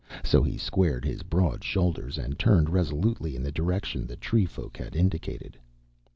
So he squared his broad shoulders and turned resolutely in the direction the tree folk had indicated.